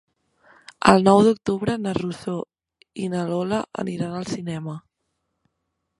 El nou d'octubre na Rosó i na Lola aniran al cinema.